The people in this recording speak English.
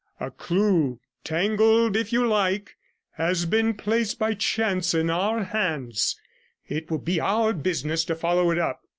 A clue, tangled if you like, has been placed by chance in our hands; it will be our business to follow it up.